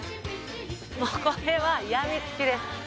もうこれはやみつきです。